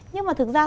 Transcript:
nhưng mà thực ra